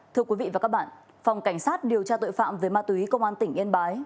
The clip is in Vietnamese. thưa quý vị và các bạn phòng cảnh sát điều tra tội phạm về ma túy công an tỉnh yên bái